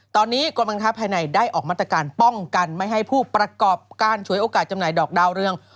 ตอนนี้กรมบังคับภายในได้ออกมาตรการป้องกันไม่ให้ผู้ประกอบการฉวยโอกาสจำหน่ายดอกดาวเรือง